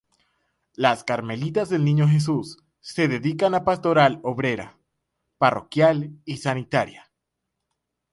Las carmelitas del Niño Jesús se dedican a pastoral obrera, parroquial y sanitaria.